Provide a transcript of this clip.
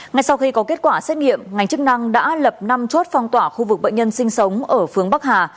ngay sau khi có kết quả xét nghiệm ngành chức năng đã lập năm chốt phong tỏa khu vực bệnh nhân sinh sống ở phương bắc hà